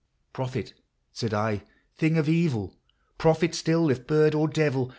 " Prophet !" said I, " thing of evil !— prophet still, if bird or devil !